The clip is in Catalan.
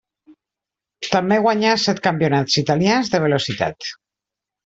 També guanyà set campionats italians de velocitat.